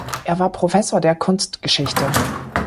Er war Professor der Kunstgeschichte.